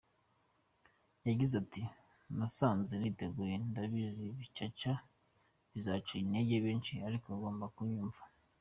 Yagize ati “Nasanze ntiteguye ndabizi bizaca intege benshi ariko bagomba kunyumva.